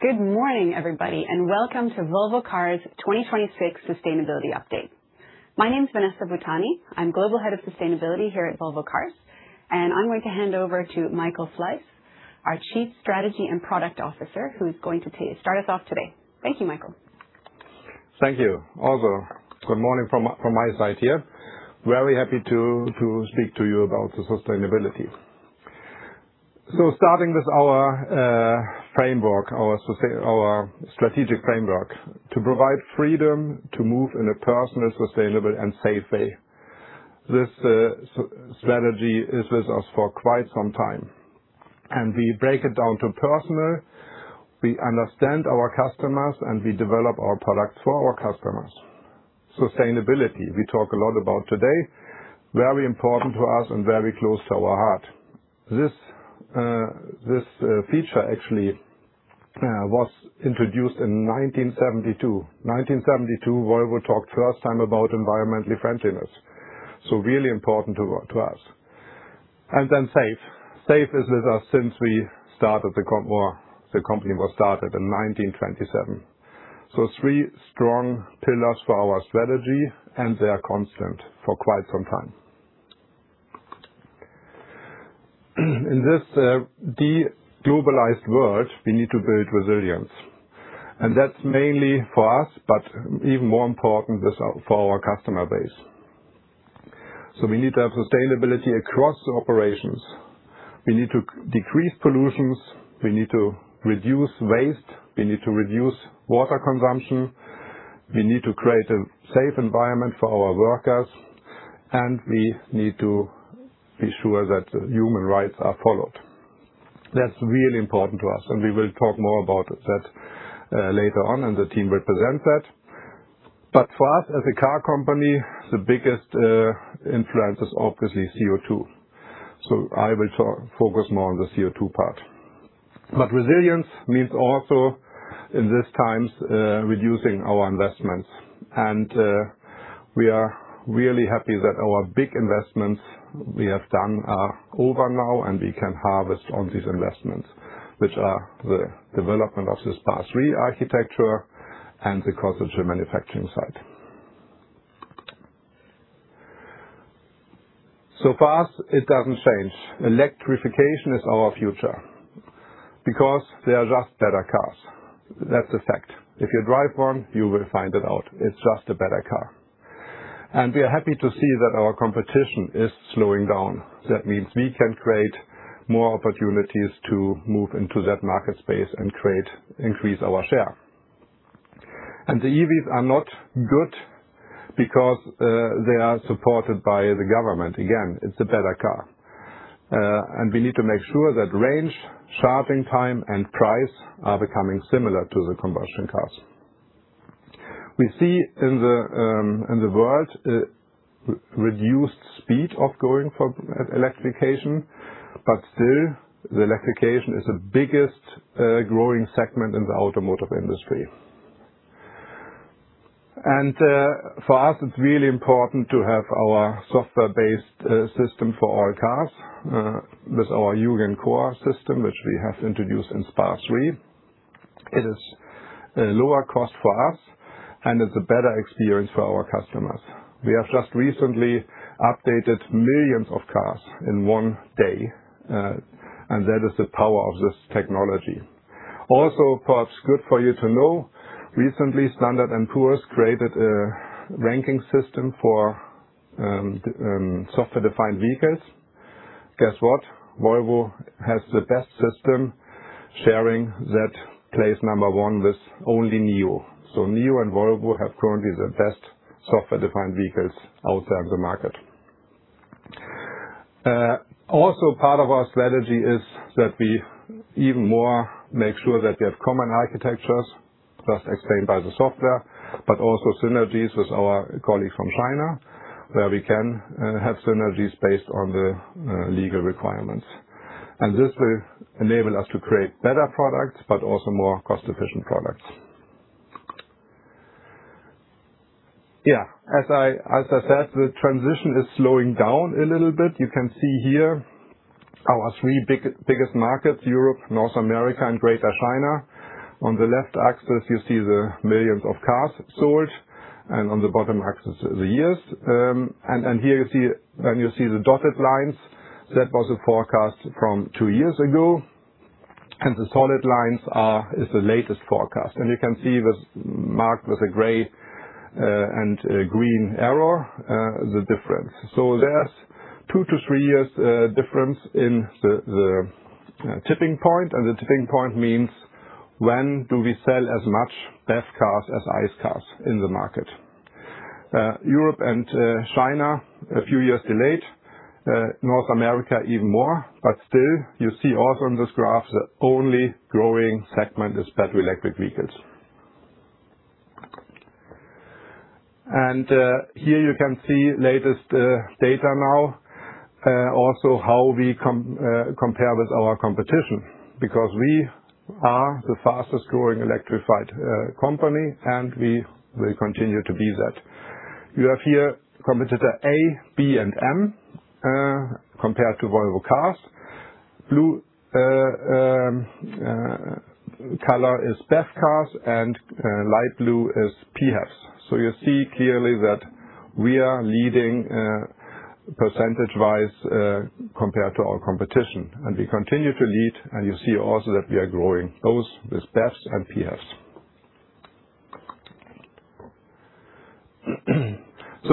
Good morning, everybody, and welcome to Volvo Cars' 2026 sustainability update. My name is Vanessa Butani. I'm Global Head of Sustainability here at Volvo Cars, and I'm going to hand over to Michael Fleiss, our Chief Strategy and Product Officer, who is going to start us off today. Thank you, Michael. Thank you. Also, good morning from my side here. Very happy to speak to you about sustainability. Starting with our strategic framework, to provide freedom to move in a personal, sustainable, and safe way. This strategy is with us for quite some time. We break it down to personal. We understand our customers, and we develop our products for our customers. Sustainability, we talk a lot about today, very important to us and very close to our heart. This feature actually was introduced in 1972. 1972, Volvo talked first time about environmental friendliness, really important to us. Safe. Safe is with us since the company was started in 1927. Three strong pillars for our strategy, and they are constant for quite some time. In this de-globalized world, we need to build resilience, and that's mainly for us, but even more important is for our customer base. We need to have sustainability across operations. We need to decrease pollutions, we need to reduce waste, we need to reduce water consumption, we need to create a safe environment for our workers, and we need to be sure that human rights are followed. That's really important to us, and we will talk more about that later on, and the team will present that. For us as a car company, the biggest influence is obviously CO2, so I will focus more on the CO2 part. Resilience means also, in these times, reducing our investments, and we are really happy that our big investments we have done are over now, and we can harvest on these investments, which are the development of the SPA3 architecture and the Costa Rica manufacturing site. For us, it doesn't change. Electrification is our future because they are just better cars. That's a fact. If you drive one, you will find it out. It's just a better car. We are happy to see that our competition is slowing down. That means we can create more opportunities to move into that market space and increase our share. The EVs are not good because they are supported by the government. Again, it's a better car. We need to make sure that range, charging time, and price are becoming similar to the combustion cars. We see in the world a reduced speed of going for electrification, but still, the electrification is the biggest growing segment in the automotive industry. For us, it's really important to have our software-based system for our cars with our core computer system, which we have introduced in SPA3. It is a lower cost for us, and it's a better experience for our customers. We have just recently updated millions of cars in one day, and that is the power of this technology. Folks, good for you to know, recently Standard & Poor's created a ranking system for software-defined vehicles. Guess what? Volvo has the best system, sharing that place number 1 with only NIO. NIO and Volvo have currently the best software-defined vehicles out there in the market. Also part of our strategy is that we even more make sure that we have common architectures, just explained by the software, but also synergies with our colleagues from China, where we can have synergies based on the legal requirements. This will enable us to create better products, but also more cost-efficient products. As I said, the transition is slowing down a little bit. You can see here our three biggest markets, Europe, North America, and Greater China. On the left axis, you see the millions of cars sold, and on the bottom axis are the years. Here you see the dotted lines. That was the forecast from two years ago, and the solid lines is the latest forecast. You can see this marked with a gray and a green arrow, the difference. There's 2-3 years difference in the tipping point, and the tipping point means when do we sell as much BEV cars as ICE cars in the market. Europe and China, a few years delayed. North America, even more. Still, you see also on this graph, the only growing segment is battery electric vehicles. Here you can see latest data now, also how we compare with our competition, because we are the fastest-growing electrified company, and we will continue to be that. You have here competitor A, B, and M, compared to Volvo Cars. Blue color is BEV cars and light blue is PHEVs. You see clearly that we are leading percentage-wise compared to our competition, and we continue to lead, and you see also that we are growing both with BEVs and PHEVs.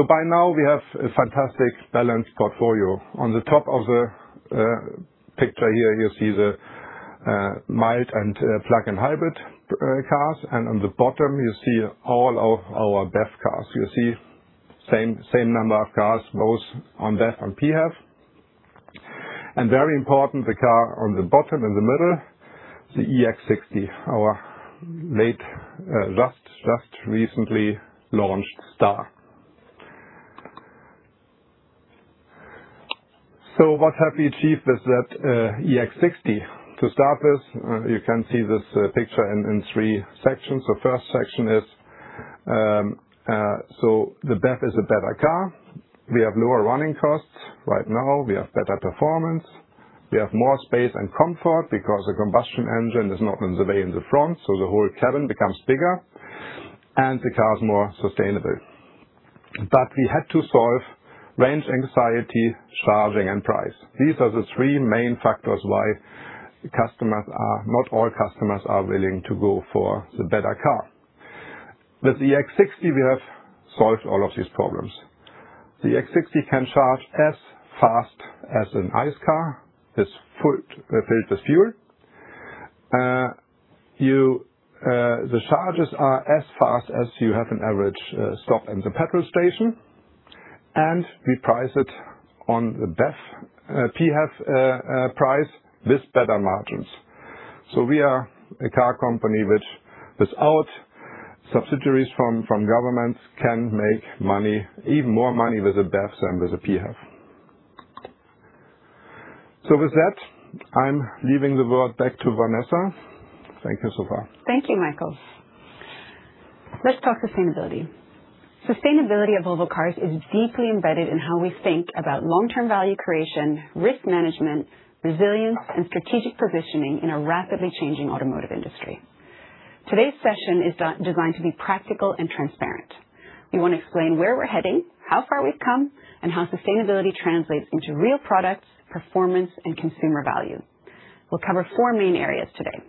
By now we have a fantastic balanced portfolio. On the top of the picture here, you see the mild and plug-in hybrid cars, and on the bottom you see all of our BEV cars. You see same number of cars both on BEV and PHEV. Very important, the car on the bottom in the middle, the EX60, our just recently launched star. What have we achieved with that EX60? To start with, you can see this picture in three sections. The first section is, the BEV is a better car. We have lower running costs right now. We have better performance. We have more space and comfort because the combustion engine is not in the way in the front, so the whole cabin becomes bigger and the car is more sustainable. We had to solve range anxiety, charging, and price. These are the three main factors why not all customers are willing to go for the better car. With the EX60, we have solved all of these problems. The EX60 can charge as fast as an ICE car. It's filled with fuel. The charges are as fast as you have an average stop at the petrol station, and we price it on the PHEV price with better margins. We are a car company which, without subsidies from governments, can make even more money with a BEV than with a PHEV. With that, I'm leaving the word back to Vanessa. Thank you so far. Thank you, Michael. Let's talk sustainability. Sustainability at Volvo Cars is deeply embedded in how we think about long-term value creation, risk management, resilience, and strategic positioning in a rapidly changing automotive industry. Today's session is designed to be practical and transparent. We want to explain where we're heading, how far we've come, and how sustainability translates into real products, performance, and consumer value. We'll cover four main areas today.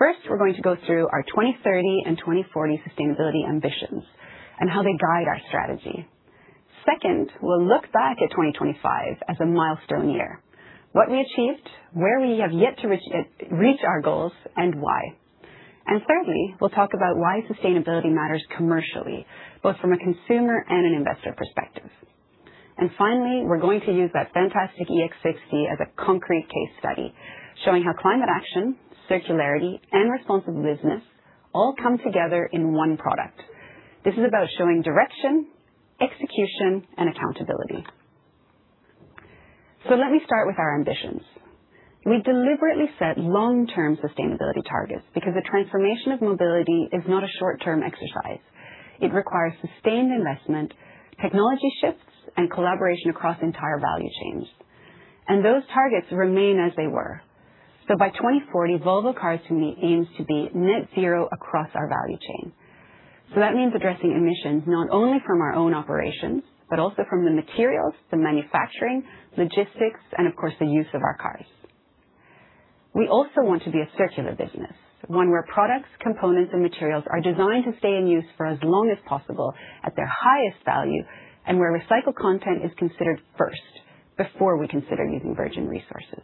First, we're going to go through our 2030 and 2040 sustainability ambitions and how they guide our strategy. Second, we'll look back at 2025 as a milestone year, what we achieved, where we have yet to reach our goals, and why. Thirdly, we'll talk about why sustainability matters commercially, both from a consumer and an investor perspective. Finally, we're going to use that fantastic EX60 as a concrete case study, showing how climate action, circularity, and responsible business all come together in one product. This is about showing direction, execution, and accountability. Let me start with our ambitions. We deliberately set long-term sustainability targets because the transformation of mobility is not a short-term exercise. It requires sustained investment, technology shifts, and collaboration across entire value chains. Those targets remain as they were. By 2040, Volvo Cars family aims to be net zero across our value chain. That means addressing emissions not only from our own operations, but also from the materials, the manufacturing, logistics, and of course, the use of our cars. We also want to be a circular business, one where products, components, and materials are designed to stay in use for as long as possible at their highest value, and where recycled content is considered first before we consider using virgin resources.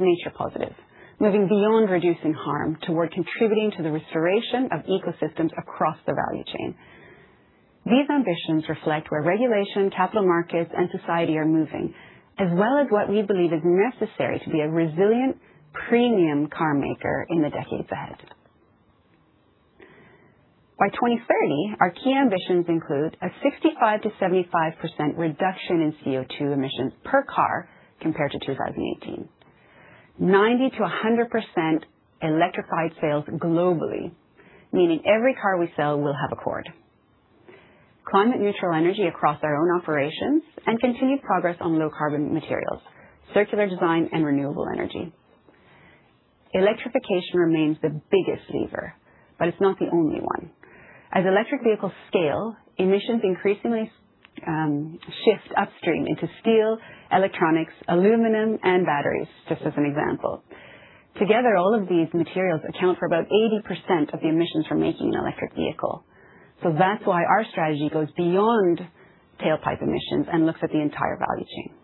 Nature positive, moving beyond reducing harm toward contributing to the restoration of ecosystems across the value chain. These ambitions reflect where regulation, capital markets, and society are moving, as well as what we believe is necessary to be a resilient premium car maker in the decades ahead. By 2030, our key ambitions include a 65%-75% reduction in CO2 emissions per car compared to 2018, 90%-100% electrified sales globally, meaning every car we sell will have a cord, climate neutral energy across our own operations, and continued progress on low carbon materials, circular design, and renewable energy. Electrification remains the biggest lever, it's not the only one. As electric vehicles scale, emissions increasingly shifts upstream into steel, electronics, aluminum, and batteries, just as an example. Together, all of these materials account for about 80% of the emissions from making an electric vehicle. That's why our strategy goes beyond tailpipe emissions and looks at the entire value chain.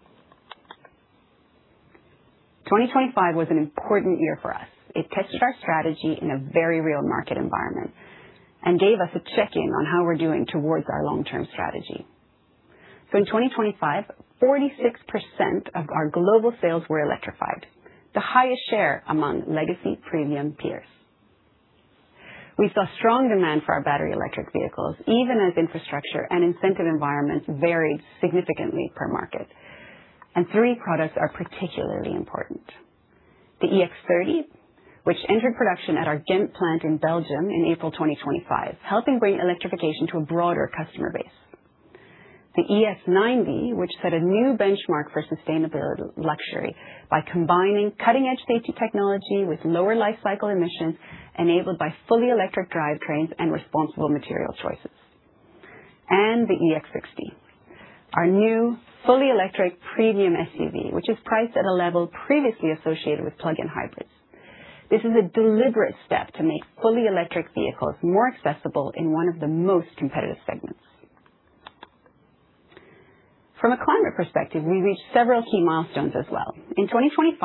2025 was an important year for us. It tested our strategy in a very real market environment and gave us a check-in on how we're doing towards our long-term strategy. In 2025, 46% of our global sales were electrified, the highest share among legacy premium peers. We saw strong demand for our battery electric vehicles, even as infrastructure and incentive environments varied significantly per market. Three products are particularly important. The EX30, which entered production at our Ghent plant in Belgium in April 2025, helping bring electrification to a broader customer base. The EX90, which set a new benchmark for sustainable luxury by combining cutting-edge safety technology with lower lifecycle emissions enabled by fully electric drivetrains and responsible material choices. The EX60, our new fully electric premium SUV, which is priced at a level previously associated with plug-in hybrids. This is a deliberate step to make fully electric vehicles more accessible in one of the most competitive segments. From a climate perspective, we reached several key milestones as well. In 2025,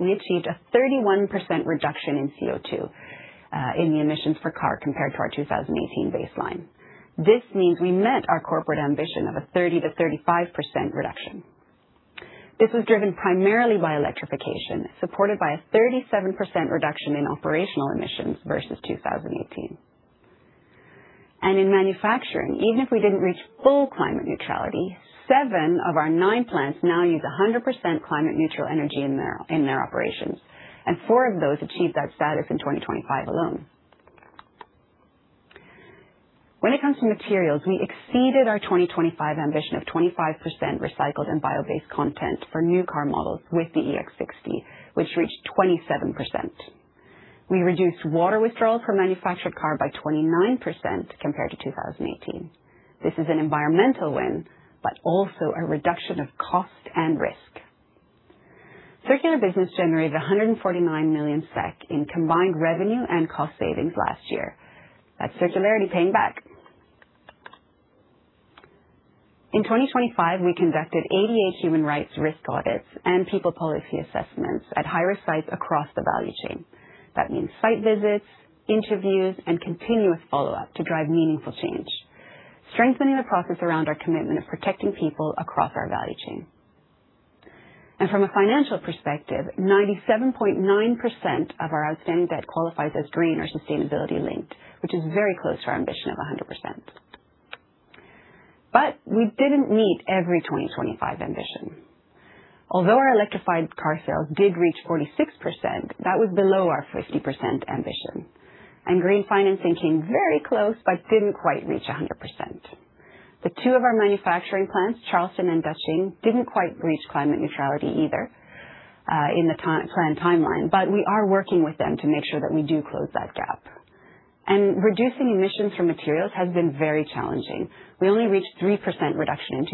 we achieved a 31% reduction in CO2 in the emissions per car compared to our 2018 baseline. This means we met our corporate ambition of a 30%-35% reduction. This was driven primarily by electrification, supported by a 37% reduction in operational emissions versus 2018. In manufacturing, even if we didn't reach full climate neutrality, seven of our nine plants now use 100% climate neutral energy in their operations, and four of those achieved that status in 2025 alone. When it comes to materials, we exceeded our 2025 ambition of 25% recycled and bio-based content for new car models with the EX60, which reached 27%. We reduced water withdrawals per manufactured car by 29% compared to 2018. This is an environmental win, but also a reduction of cost and risk. Circular business generated 149 million SEK in combined revenue and cost savings last year. That's circular paying back. In 2025, we conducted 88 human rights risk audits and people policy assessments at higher risk sites across the value chain. That means site visits, interviews, and continuous follow-up to drive meaningful change, strengthening the process around our commitment to protecting people across our value chain. From a financial perspective, 97.9% of our outstanding debt qualifies as green or sustainability-linked, which is very close to our ambition of 100%. We didn't meet every 2025 ambition. Although our electrified car sales did reach 46%, that was below our 50% ambition. Green financing came very close, but didn't quite reach 100%. Two of our manufacturing plants, Charleston and Beijing, didn't quite reach climate neutrality either in the planned timeline, but we are working with them to make sure that we do close that gap. Reducing emissions from materials has been very challenging. We only reached 3% reduction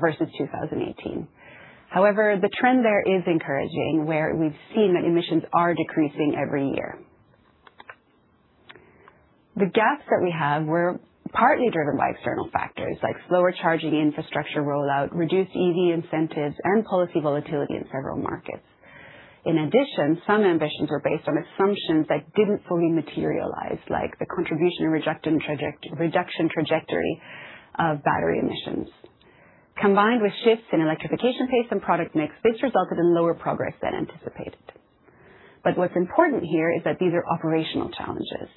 versus 2018. However, the trend there is encouraging, where we've seen that emissions are decreasing every year. The gaps that we have were partly driven by external factors like slower charging infrastructure rollout, reduced EV incentives, and policy volatility in several markets. In addition, some ambitions were based on assumptions that didn't fully materialize, like the contribution reduction trajectory of battery emissions. Combined with shifts in electrification pace and product mix, this resulted in lower progress than anticipated. What's important here is that these are operational challenges,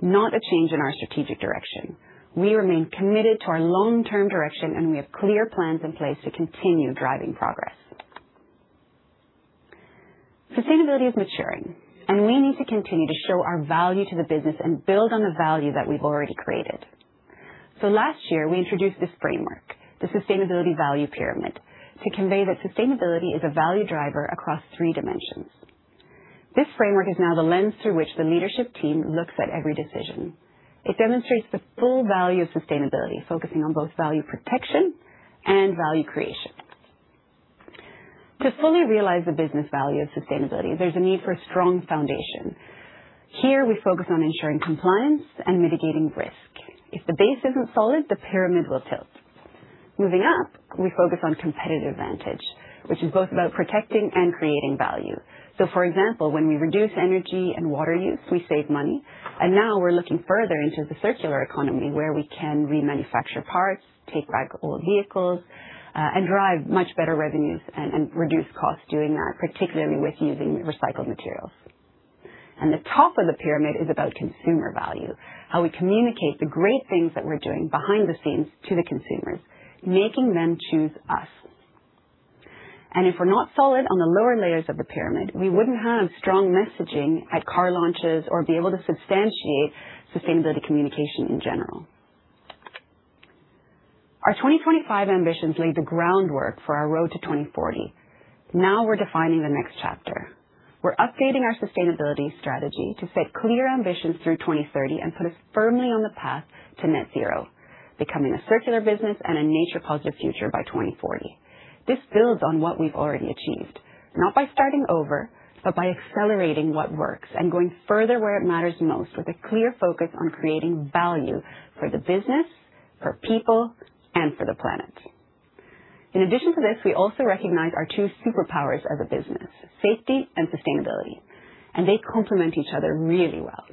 not a change in our strategic direction. We remain committed to our long-term direction, and we have clear plans in place to continue driving progress. Sustainability is maturing, and we need to continue to show our value to the business and build on the value that we've already created. Last year, we introduced this framework, the Sustainability Value Pyramid, to convey that sustainability is a value driver across three dimensions. This framework is now the lens through which the leadership team looks at every decision. It demonstrates the full value of sustainability, focusing on both value protection and value creation. To fully realize the business value of sustainability, there's a need for a strong foundation. Here, we focus on ensuring compliance and mitigating risk. If the base isn't solid, the pyramid will tilt. Moving up, we focus on competitive advantage, which is both about protecting and creating value. For example, when we reduce energy and water use, we save money, and now we're looking further into the circular economy where we can remanufacture parts, take back old vehicles, and drive much better revenues and reduce costs doing that, particularly with using recycled materials. The top of the pyramid is about consumer value, how we communicate the great things that we're doing behind the scenes to the consumers, making them choose us. If we're not solid on the lower layers of the pyramid, we wouldn't have strong messaging at car launches or be able to substantiate sustainability communication in general. Our 2025 ambitions laid the groundwork for our road to 2040. Now we're defining the next chapter. We're updating our sustainability strategy to set clearer ambitions through 2030 and put us firmly on the path to net zero, becoming a circular business and a nature-positive future by 2040. This builds on what we've already achieved, not by starting over, but by accelerating what works and going further where it matters most with a clear focus on creating value for the business, for people, and for the planet. In addition to this, we also recognize our two superpowers as a business, safety and sustainability, and they complement each other really well.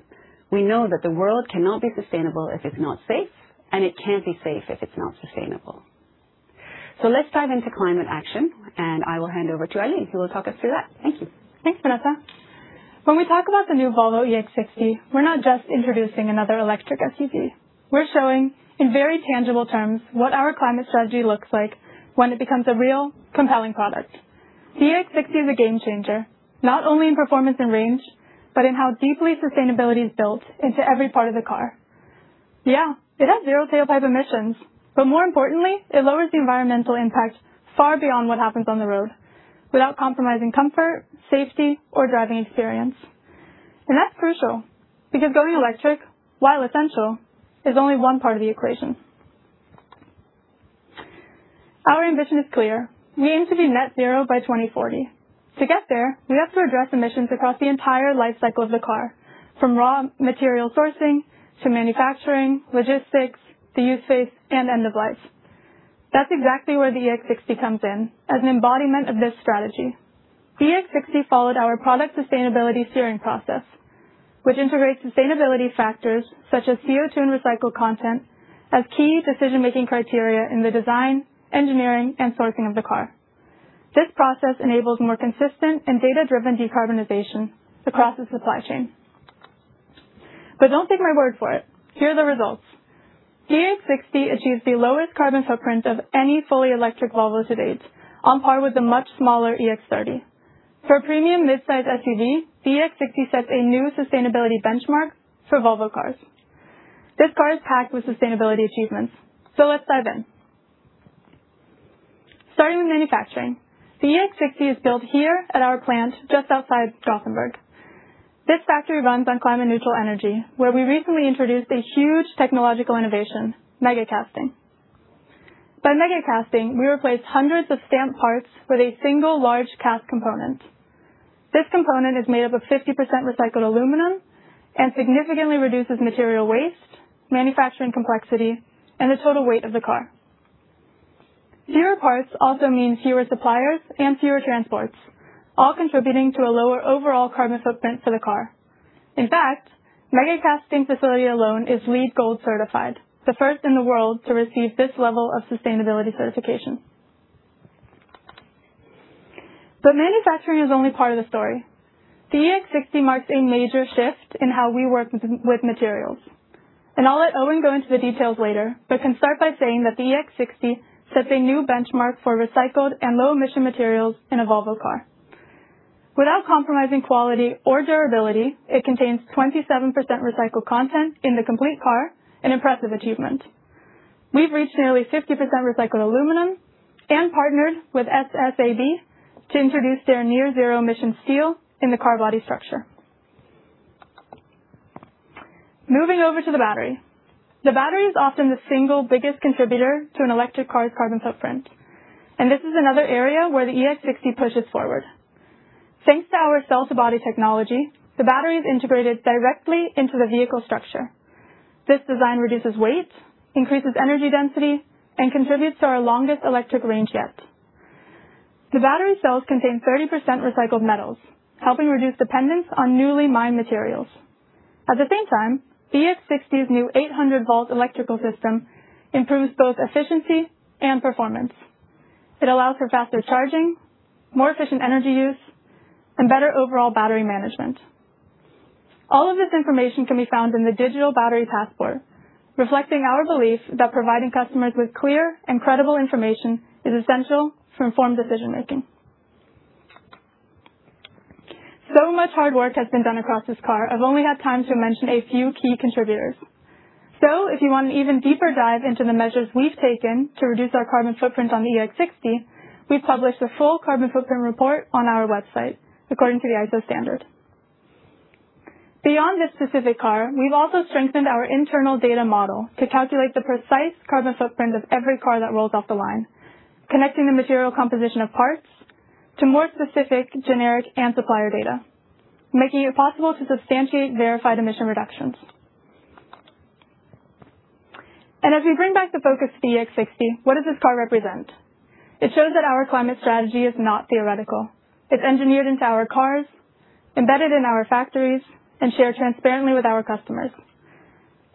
We know that the world cannot be sustainable if it's not safe, and it can't be safe if it's not sustainable. Let's dive into climate action, and I will hand over to Annie, who will talk us through that. Thank you. Thanks, Vanessa. When we talk about the new Volvo EX60, we're not just introducing another electric SUV. We're showing in very tangible terms what our climate strategy looks like when it becomes a real compelling product. The EX60 is a game changer, not only in performance and range, but in how deeply sustainability is built into every part of the car. Yeah, it has zero tailpipe emissions. More importantly, it lowers the environmental impact far beyond what happens on the road without compromising comfort, safety, or driving experience. That's crucial because going electric, while essential, is only one part of the equation. Our ambition is clear. We aim to be net zero by 2040. To get there, we have to address emissions across the entire lifecycle of the car, from raw material sourcing to manufacturing, logistics, the use phase, and end of life. That's exactly where the EX60 comes in as an embodiment of this strategy. The EX60 followed our product sustainability steering process, which integrates sustainability factors such as CO2 and recycled content as key decision-making criteria in the design, engineering, and sourcing of the car. This process enables more consistent and data-driven decarbonization across the supply chain. Don't take my word for it. Here are the results. The EX60 achieves the lowest carbon footprint of any fully electric Volvo to date, on par with the much smaller EX30. For a premium midsize SUV, the EX60 sets a new sustainability benchmark for Volvo Cars. This car is packed with sustainability achievements, so let's dive in. Starting with manufacturing. The EX60 is built here at our plant just outside Gothenburg. This factory runs on climate neutral energy, where we recently introduced a huge technological innovation, mega casting. By mega casting, we replace hundreds of stamped parts with a single large cast component. This component is made up of 50% recycled aluminum and significantly reduces material waste, manufacturing complexity, and the total weight of the car. Fewer parts also mean fewer suppliers and fewer transports, all contributing to a lower overall carbon footprint for the car. In fact, mega casting facility alone is LEED Gold certified, the first in the world to receive this level of sustainability certification. Manufacturing is only part of the story. The EX60 marks a major shift in how we work with materials, and I'll let Owen go into the details later, but can start by saying that the EX60 sets a new benchmark for recycled and low emission materials in a Volvo car. Without compromising quality or durability, it contains 27% recycled content in the complete car, an impressive achievement. We've reached nearly 50% recycled aluminum and partnered with SSAB to introduce their near zero emission steel in the car body structure. Moving over to the battery. The battery is often the single biggest contributor to an electric car's carbon footprint, and this is another area where the EX60 pushes forward. Thanks to our cell-to-body technology, the battery is integrated directly into the vehicle structure. This design reduces weight, increases energy density, and contributes to our longest electric range yet. The battery cells contain 30% recycled metals, helping reduce dependence on newly mined materials. At the same time, the EX60's new 800-volt electrical system improves both efficiency and performance. It allows for faster charging, more efficient energy use, and better overall battery management. All of this information can be found in the digital battery passport, reflecting our belief that providing customers with clear and credible information is essential to informed decision-making. Much hard work has been done across this car, I've only had time to mention a few key contributors. If you want an even deeper dive into the measures we've taken to reduce our carbon footprint on the EX60, we published a full carbon footprint report on our website according to the ISO standard. Beyond this specific car, we've also strengthened our internal data model to calculate the precise carbon footprint of every car that rolls off the line, connecting the material composition of parts to more specific generic and supplier data, making it possible to substantiate verified emission reductions. As we bring back the focus to the EX60, what does this car represent? It shows that our climate strategy is not theoretical. It's engineered into our cars, embedded in our factories, and shared transparently with our customers.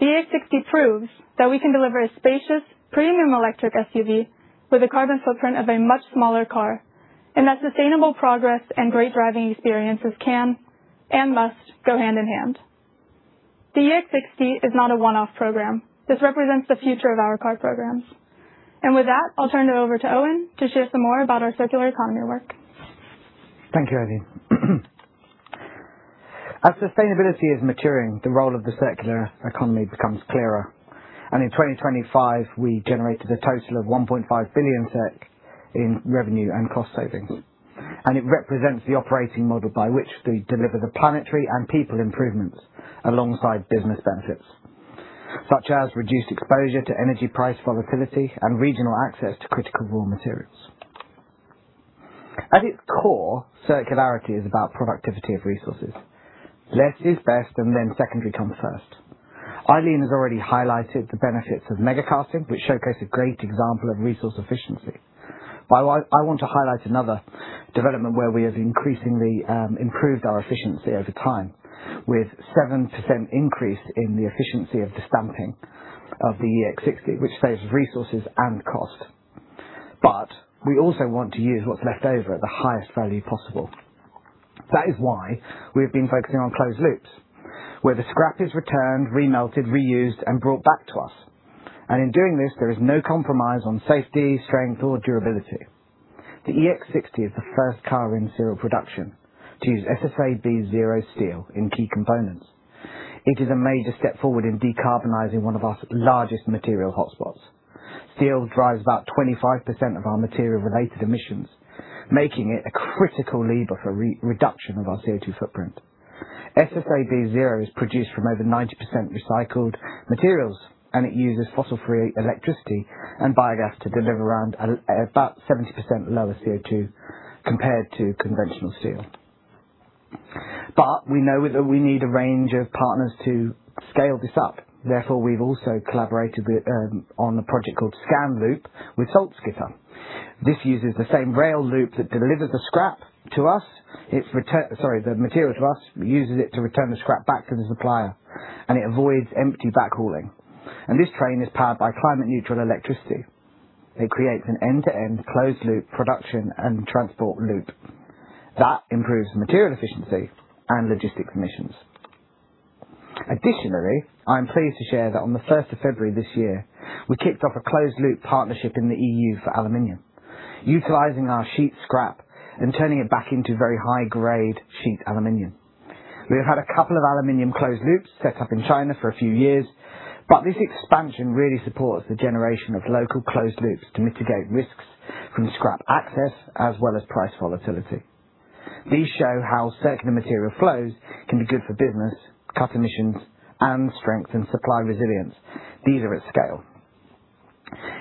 The EX60 proves that we can deliver a spacious, premium electric SUV with a carbon footprint of a much smaller car, and that sustainable progress and great driving experiences can and must go hand in hand. The EX60 is not a one-off program. This represents the future of our car programs. With that, I'll turn it over to Owen to share some more about our circular economy work. Thank you, Annie. As sustainability is maturing, the role of the circular economy becomes clearer. In 2025, we generated a total of 1.5 billion SEK in revenue and cost savings. It represents the operating model by which we deliver the planetary and people improvements alongside business benefits, such as reduced exposure to energy price volatility and regional access to critical raw materials. At its core, circularity is about productivity of resources. Less is best, and then secondly comes first. Annie has already highlighted the benefits of mega casting, which showcase a great example of resource efficiency. I want to highlight another development where we have increasingly improved our efficiency over time with 7% increase in the efficiency of the stamping of the EX60, which saves resources and cost. We also want to use what's left over at the highest value possible. That is why we've been focusing on closed loops, where the scrap is returned, remelted, reused, and brought back to us. In doing this, there is no compromise on safety, strength, or durability. The EX60 is the first car in serial production to use SSAB Zero steel in key components. It is a major step forward in decarbonizing one of our largest material hotspots. Steel drives about 25% of our material-related emissions, making it a critical lever for reduction of our CO2 footprint. SSAB Zero is produced from over 90% recycled materials, and it uses fossil-free electricity and biogas to deliver around about 70% lower CO2 compared to conventional steel. We know that we need a range of partners to scale this up. Therefore, we've also collaborated on a project called ScanLoop with Salzgitter. This uses the same rail loop that delivers the material to us, uses it to return the scrap back to the supplier, and it avoids empty backhauling. This train is powered by climate neutral electricity. It creates an end-to-end closed-loop production and transport loop that improves material efficiency and logistic emissions. Additionally, I'm pleased to share that on the 1st of February this year, we kicked off a closed-loop partnership in the E.U. for aluminum, utilizing our sheet scrap and turning it back into very high-grade sheet aluminum. We've had a couple of aluminum closed-loops set up in China for a few years, but this expansion really supports the generation of local closed-loops to mitigate risks from scrap access as well as price volatility. These show how circular material flows can be good for business, cut emissions, and strengthen supply resilience. These are at scale.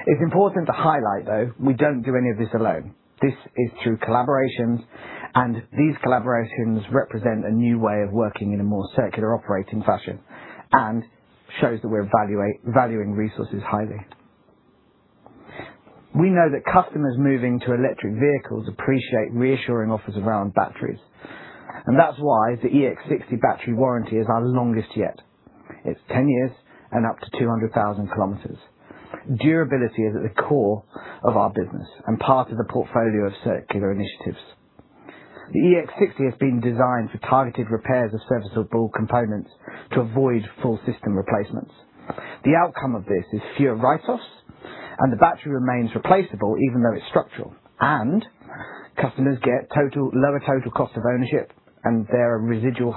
It's important to highlight, though, we don't do any of this alone. This is through collaborations, and these collaborations represent a new way of working in a more circular operating fashion, and shows that we're valuing resources highly. We know that customers moving to electric vehicles appreciate reassuring offers around batteries, and that's why the EX60 battery warranty is our longest yet. It's 10 years and up to 200,000 kilometers. Durability is at the core of our business and part of the portfolio of circular initiatives. The EX60 has been designed to target and repair the surface or build components to avoid full system replacements. The outcome of this is fewer write-offs, and the battery remains replaceable even though it's structural, and customers get lower total cost of ownership and higher residual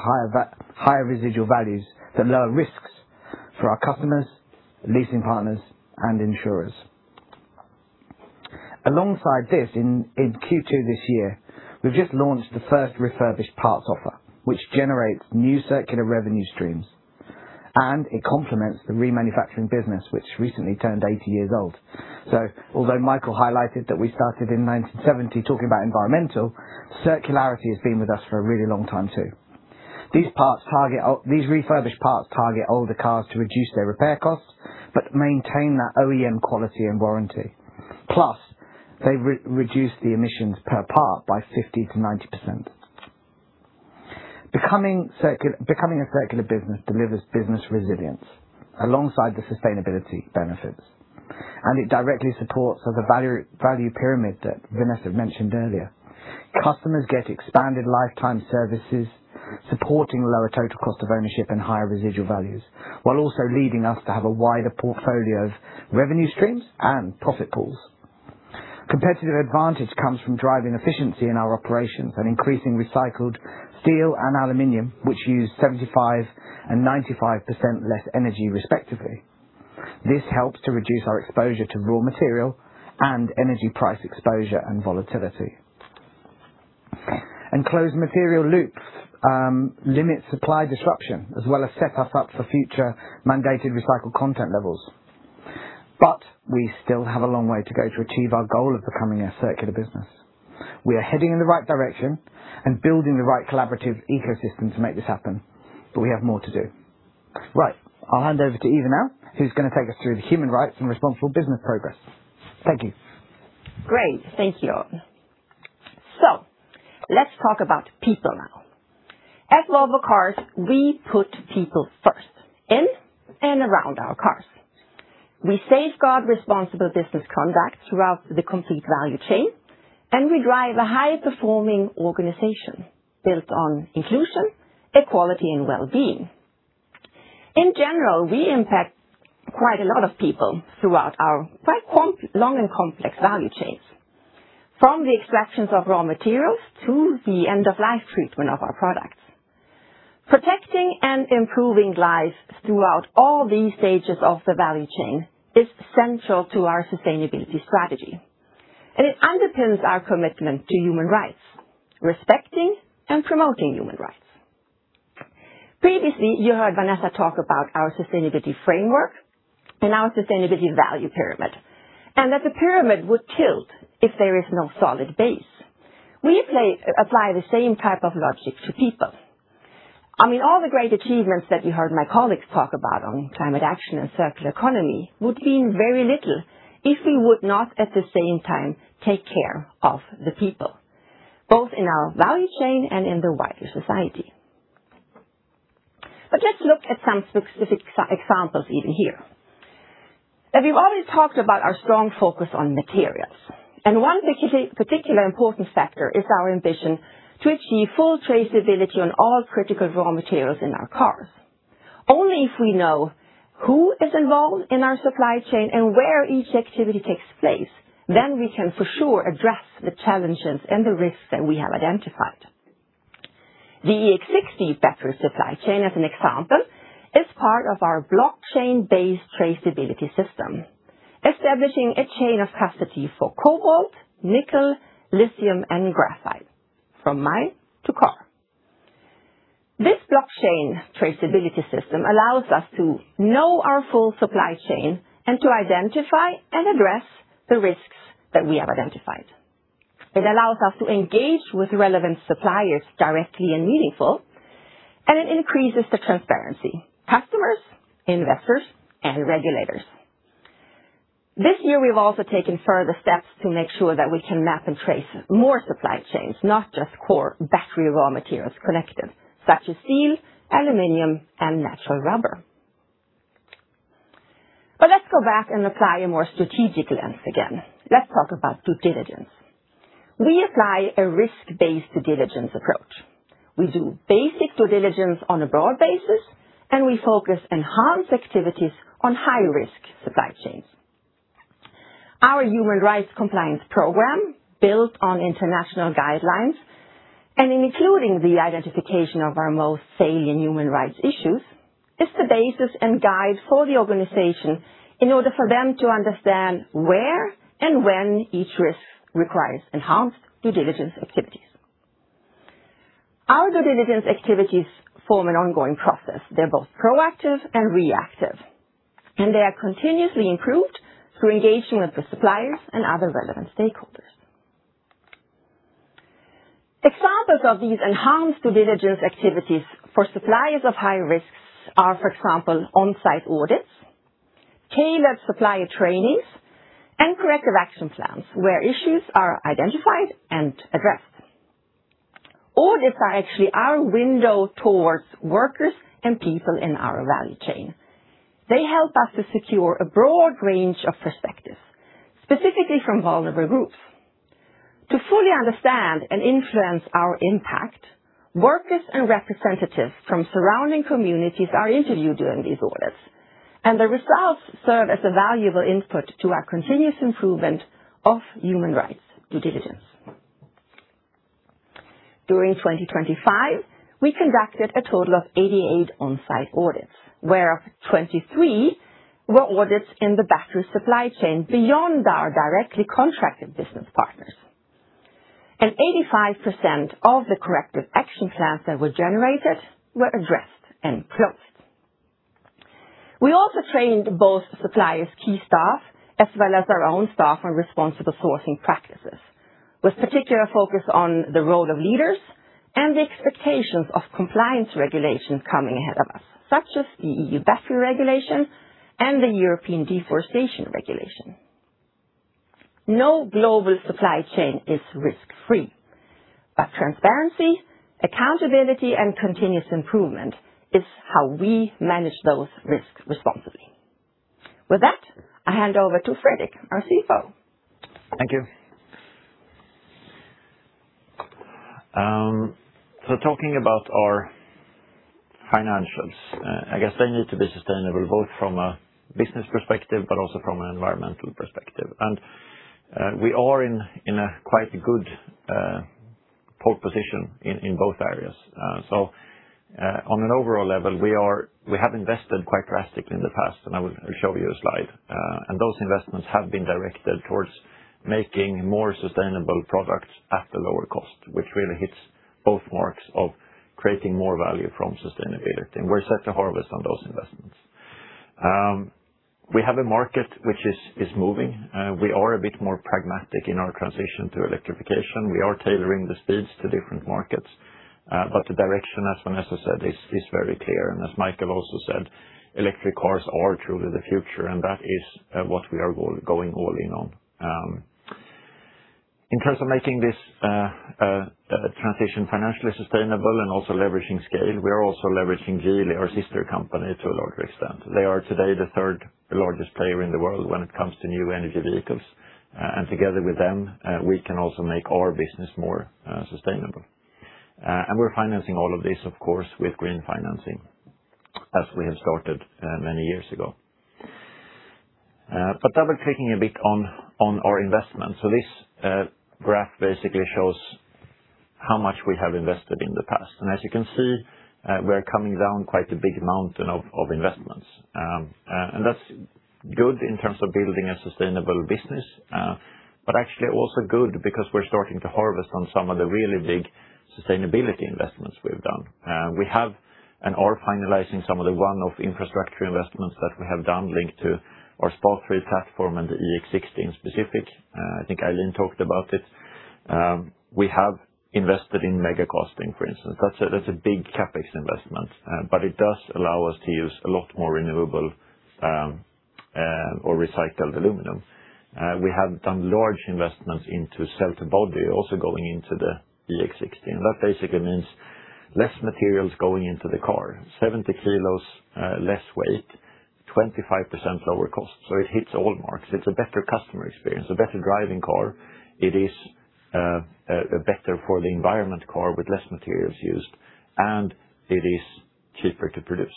values that lower risks for our customers, leasing partners, and insurers. Alongside this, in Q2 this year, we've just launched the first refurbished parts offer, which generates new circular revenue streams, and it complements the remanufacturing business, which recently turned 80 years old. Although Michael highlighted that we started in 1970 talking about environmental, circularity has been with us for a really long time, too. These refurbished parts target older cars to reduce their repair costs but maintain that OEM quality and warranty. Plus, they reduce the emissions per part by 50%-90%. Becoming a circular business delivers business resilience alongside the sustainability benefits, and it directly supports the value pyramid that Vanessa mentioned earlier. Customers get expanded lifetime services, supporting lower total cost of ownership and higher residual values, while also leading us to have a wider portfolio of revenue streams and profit pools. Competitive advantage comes from driving efficiency in our operations and increasing recycled steel and aluminum, which use 75% and 95% less energy respectively. This helps to reduce our exposure to raw material and energy price exposure and volatility. Closed material loops limit supply disruption as well as set us up for future mandated recycled content levels. We still have a long way to go to achieve our goal of becoming a circular business. We are heading in the right direction and building the right collaborative ecosystem to make this happen, but we have more to do. Right. I'll hand over to Eva now, who's going to take us through the human rights and responsible business progress. Thank you. Great. Thank you. Let's talk about people now. At Volvo Cars, we put people first in and around our cars. We safeguard responsible business conduct throughout the complete value chain, and we drive a high-performing organization built on inclusion, equality, and wellbeing. In general, we impact quite a lot of people throughout our quite long and complex value chains, from the extractions of raw materials through the end-of-life treatment of our products. Protecting and improving lives throughout all these stages of the value chain is central to our sustainability strategy, and it underpins our commitment to human rights, respecting and promoting human rights. Previously, you heard Vanessa talk about our sustainability framework and our sustainability value pyramid, and that the pyramid would tilt if there is no solid base. We apply the same type of logic to people. I mean, all the great achievements that you heard my colleagues talk about on climate action and circular economy would mean very little if we would not at the same time take care of the people, both in our value chain and in the wider society. Let's look at some specific examples you can hear. Now, we've already talked about our strong focus on materials, and one particularly important factor is our ambition to achieve full traceability on all critical raw materials in our cars. Only if we know who is involved in our supply chain and where each activity takes place, then we can for sure address the challenges and the risks that we have identified. The EX60 battery supply chain, as an example, is part of our blockchain-based traceability system, establishing a chain of custody for cobalt, nickel, lithium, and graphite from mine to car. This blockchain traceability system allows us to know our full supply chain and to identify and address the risks that we have identified. It allows us to engage with relevant suppliers directly and meaningfully, and it increases the transparency, customers, investors, and regulators. This year, we've also taken further steps to make sure that we can map and trace more supply chains, not just core battery raw materials connected, such as steel, aluminum, and natural rubber. Let's go back and apply a more strategic lens again. Let's talk about due diligence. We apply a risk-based due diligence approach. We do basic due diligence on a broad basis, and we focus enhanced activities on high-risk supply chains. Our human rights compliance program, built on international guidelines and including the identification of our most salient human rights issues, is the basis and guide for the organization in order for them to understand where and when each risk requires enhanced due diligence activities. Our due diligence activities form an ongoing process. They're both proactive and reactive, and they are continuously improved through engagement with the suppliers and other relevant stakeholders. Examples of these enhanced due diligence activities for suppliers of high risks are, for example, on-site audits, tailored supplier trainings, and corrective action plans where issues are identified and addressed. Audits are actually our window towards workers and people in our value chain. They help us to secure a broad range of perspectives, specifically from vulnerable groups. To fully understand and influence our impact, workers and representatives from surrounding communities are interviewed during these audits, and the results serve as a valuable input to our continuous improvement of human rights due diligence. During 2025, we conducted a total of 88 on-site audits, where 23 were audits in the battery supply chain beyond our directly contracted business partners. 85% of the corrective action plans that were generated were addressed and closed. We also trained both suppliers' key staff as well as our own staff on responsible sourcing practices, with particular focus on the role of leaders and the expectations of compliance regulations coming ahead of us, such as the EU Battery Regulation and the European Deforestation Regulation. No global supply chain is risk-free, transparency, accountability, and continuous improvement is how we manage those risks responsibly. With that, I hand over to Fredrik, our CFO. Thank you. Talking about our financials, I guess they need to be sustainable both from a business perspective but also from an environmental perspective. We are in quite a good pole position in both areas. On an overall level, we have invested quite drastically in the past, and I will show you a slide. Those investments have been directed towards making more sustainable products at a lower cost, which really hits both marks of creating more value from sustainability, and we're set to harvest on those investments. We have a market which is moving. We are a bit more pragmatic in our transition to electrification. We are tailoring the speeds to different markets. The direction, as Vanessa said, is very clear. As Michael also said, electric cars are truly the future, and that is what we are going all in on. In terms of making this transition financially sustainable and also leveraging scale, we are also leveraging Geely, our sister company, to a larger extent. They are today the third largest player in the world when it comes to new energy vehicles. Together with them, we can also make our business more sustainable. We're financing all of this, of course, with green financing, as we have started many years ago. Double-clicking a bit on our investments. This graph basically shows how much we have invested in the past. As you can see, we are coming down quite a big mountain of investments. That's good in terms of building a sustainable business, but actually also good because we're starting to harvest on some of the really big sustainability investments we've done. We have and are finalizing some of the one-off infrastructure investments that we have done linked to our SPA3 platform and the EX60 in specific. I think Eileen talked about it. We have invested in mega casting, for instance. That's a big CapEx investment, but it does allow us to use a lot more renewable-Or recycled aluminum. We have done large investments into certain body also going into the EX60. That basically means less materials going into the car, 70 kilos less weight, 25% lower cost. It hits all markets. It's a better customer experience, a better driving car. It is a better for the environment car with less materials used, and it is cheaper to produce.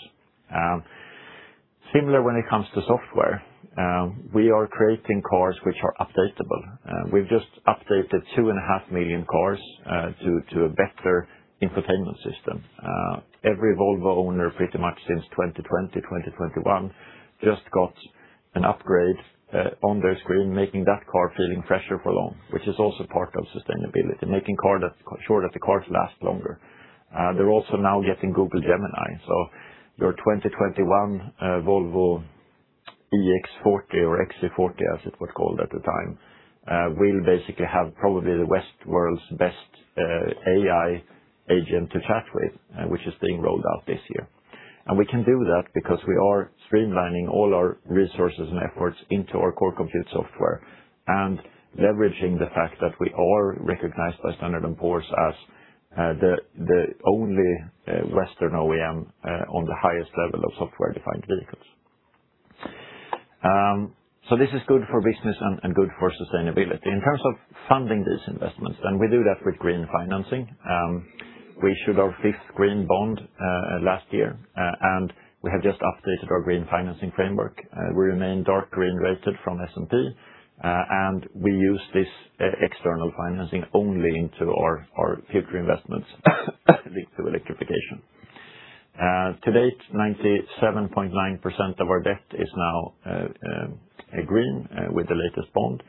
Similar when it comes to software. We are creating cars which are updatable. We've just updated 2.5 million cars to a Vector infotainment system. Every Volvo owner pretty much since 2020-2021 just got an upgrade on their screen, making that car feeling fresher for long, which is also part of sustainability, making sure that the cars last longer. They're also now getting Google Gemini. Your 2021 Volvo EX40 or XC40, as it was called at the time, will basically have probably the West world's best AI agent to chat with, which is being rolled out this year. We can do that because we are streamlining all our resources and efforts into our core computer system and leveraging the fact that we are recognized by S&P Global as the only Western OEM on the highest level of software-defined vehicles. In terms of funding these investments, we do that with green financing. We issued our fifth green bond last year, and we have just updated our green financing framework. We remain dark green rated from S&P, and we use this external financing only into our future investments to electrification. To date, 97.9% of our debt is now green with the latest bond.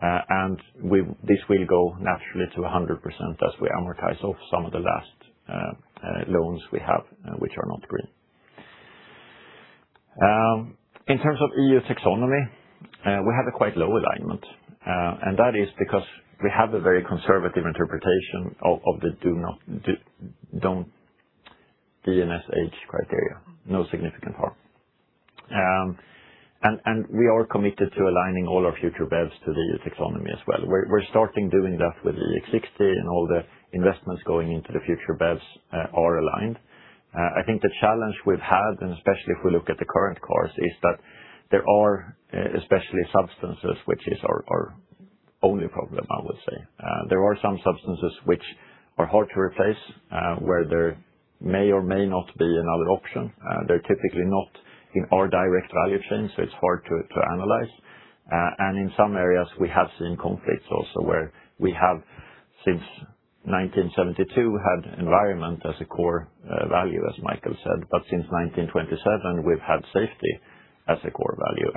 This will go naturally to 100% as we amortize off some of the last loans we have, which are not green. In terms of EU taxonomy, we have a quite low alignment, and that is because we have a very conservative interpretation of the DNSH criteria, no significant harm. We are committed to aligning all our future BEVs to the EU taxonomy as well. We're starting doing that with the EX60 and all the investments going into the future BEVs are aligned. I think the challenge we've had, and especially if we look at the current cars, is that there are especially substances, which is our only problem, I would say. There are some substances which are hard to replace, where there may or may not be another option. They're typically not in our direct value chain, so it's hard to analyze. In some areas we have seen conflicts also where we have, since 1972, had environment as a core value, as Michael said. Since 1927, we've had safety as a core value.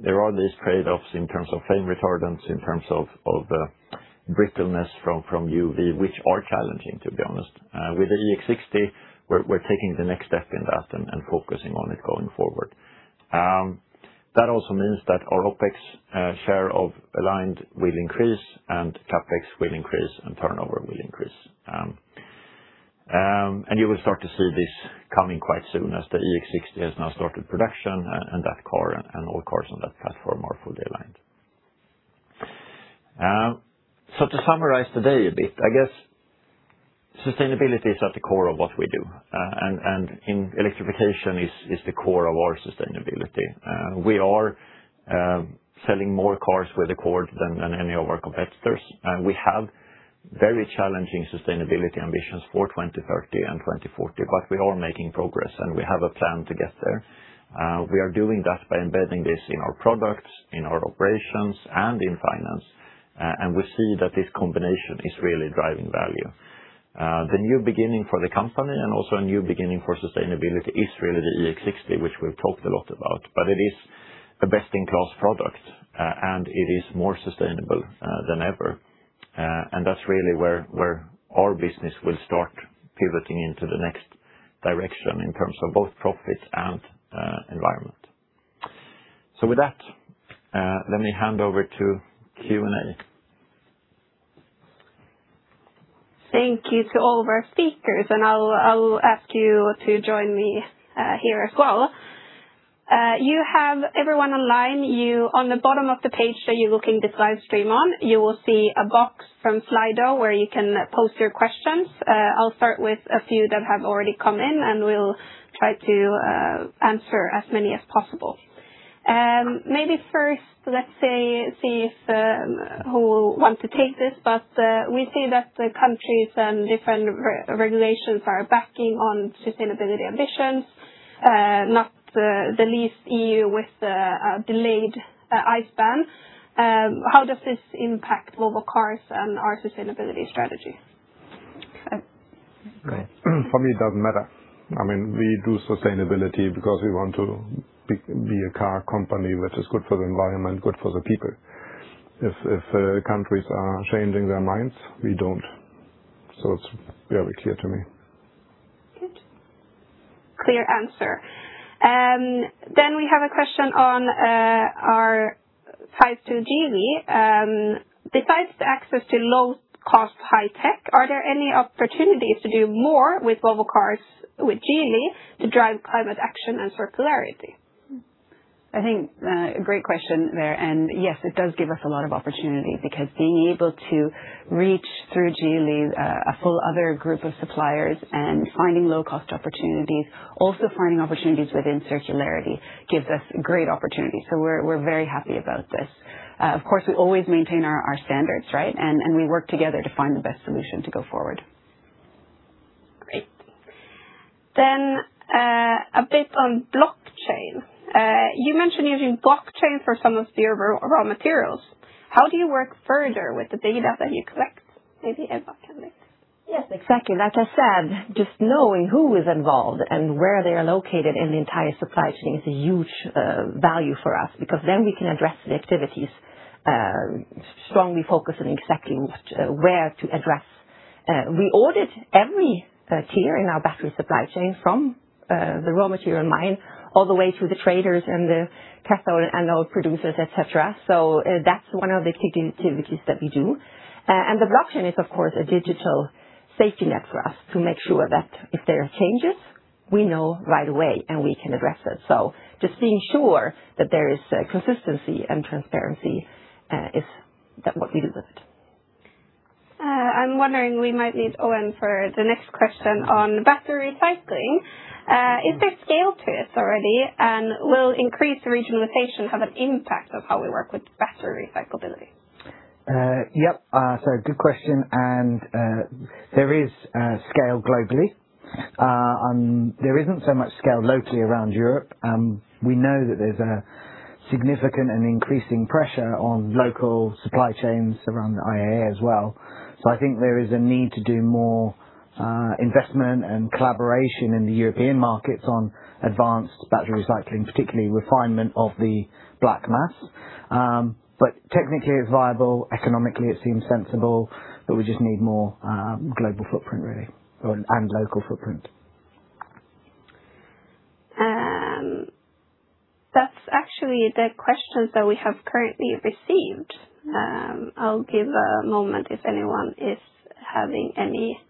There are these trade-offs in terms of flame retardants, in terms of the brittleness from UV, which are challenging, to be honest. With the EX60, we're taking the next step in that and focusing on it going forward. That also means that our OpEx share of aligned will increase and CapEx will increase and turnover will increase. You will start to see this coming quite soon as the EX60 has now started production and that car and all cars on that platform are fully aligned. To summarize today a bit, I guess sustainability is at the core of what we do. Electrification is the core of our sustainability. We are selling more cars with the core than any of our competitors. We have very challenging sustainability ambitions for 2030 and 2040. We are making progress, and we have a plan to get there. We are doing that by embedding this in our products, in our operations, and in finance. We see that this combination is really driving value. The new beginning for the company and also a new beginning for sustainability is really the EX60, which we've talked a lot about. It is a best-in-class product, and it is more sustainable than ever. That's really where our business will start pivoting into the next direction in terms of both profit and environment. With that, let me hand over to Q&A. Thank you to all of our speakers. I'll ask you to join me here as well. You have everyone online. On the bottom of the page that you're looking this live stream on, you will see a box from Slido where you can post your questions. I'll start with a few that have already come in, and we'll try to answer as many as possible. Maybe first, let's see who will want to take this, but we see that the countries and different regulations are backing on sustainability ambitions, not the least EU with the delayed ICE ban. How does this impact Volvo Cars and our sustainability strategy? For me, it doesn't matter. We do sustainability because we want to be a car company that is good for the environment, good for the people. If countries are changing their minds, we don't. It's very clear to me. Good. Clear answer. We have a question on our ties to Geely. Besides the access to low cost, high tech, are there any opportunities to do more with Volvo Cars, with Geely, to drive climate action and circularity? I think a great question there. Yes, it does give us a lot of opportunity because being able to reach through Geely, a whole other group of suppliers and finding low cost opportunities, also finding opportunities within circularity gives us great opportunity. We're very happy about this. Of course, we always maintain our standards, right? We work together to find the best solution to go forward. Great. A bit on blockchain. You mentioned using blockchain for some of your raw materials. How do you work further with the data that you collect? Maybe Ann-Katrin. Yes, exactly. Like I said, just knowing who is involved and where they are located in the entire supply chain is a huge value for us because then we can address the activities, strongly focus on exactly where to address. We audit every tier in our battery supply chain from the raw material mine, all the way through the traders and the cathode and anode producers, et cetera. That's one of the key activities that we do. The blockchain is of course, a digital safety net for us to make sure that if there are changes, we know right away and we can address it. Just being sure that there is consistency and transparency, that's what we do with it. I'm wondering, we might need Owen for the next question on the battery recycling. Is there scale to this already? Will increased regionalization have an impact on how we work with battery recyclability? Yep. Good question. There is scale globally. There isn't so much scale locally around Europe. We know that there's a significant and increasing pressure on local supply chains around IAA as well. I think there is a need to do more investment and collaboration in the European markets on advanced battery recycling, particularly refinement of the black mass. Technically it's viable, economically it seems sensible, but we just need more global footprint really, and local footprint. That's actually the questions that we have currently received. I'll give a moment if anyone is having any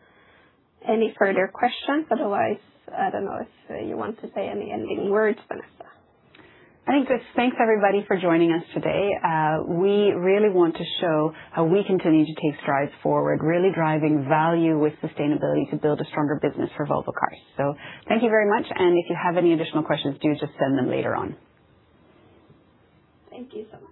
further questions. I don't know if you want to say any ending words, Vanessa. I think just thanks everybody for joining us today. We really want to show how we continue to take strides forward, really driving value with sustainability to build a stronger business for Volvo Cars. Thank you very much, and if you have any additional questions, do just send them later on. Thank you so much.